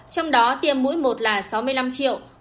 trong đó tiêm mũi một là sáu mươi năm bảy trăm năm mươi liều